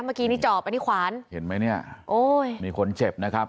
เมื่อกี้นี่จอบอันนี้ขวานเห็นไหมเนี่ยโอ้ยมีคนเจ็บนะครับ